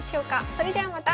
それではまた。